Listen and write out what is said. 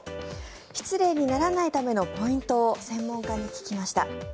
失礼にならないためのポイントを専門家に聞きました。